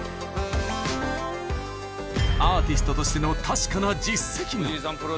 アーティストとしての確かな実績が